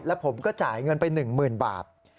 แล้วผมก็จ่ายเงินไปหนึ่งหมื่นบาท